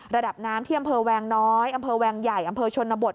ระดับน้ำที่อำเภอแวงน้อยอำเภอแวงใหญ่อำเภอชนบท